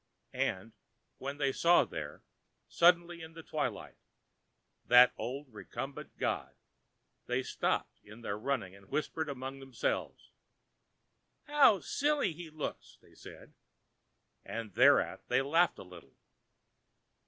And, when they saw there, suddenly in the twilight, that old recumbent god, they stopped in their running and whispered among themselves. "How silly he looks," they said, and thereat they laughed a little.